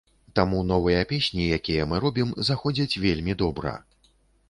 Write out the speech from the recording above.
Таму новыя песні, якія мы робім, заходзяць вельмі добра!